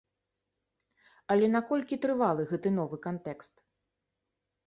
Але наколькі трывалы гэты новы кантэкст?